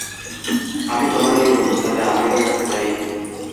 আমি তোমারই বোন, দাদা, আমি মুক্তি চাই।